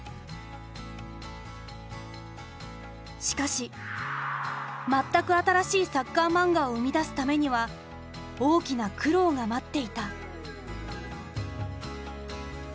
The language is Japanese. しかし全く新しいサッカーマンガを生み出すためには大きな苦労が待っていた。